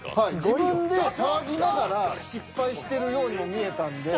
自分で騒ぎながら失敗してるようにも見えたんで。